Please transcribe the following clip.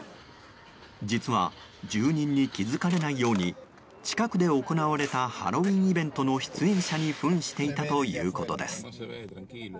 実は、住人に気づかれないように近くで行われたハロウィーンイベントの出演者に扮していたということです。